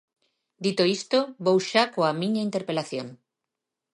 Dito isto, vou xa coa miña interpelación.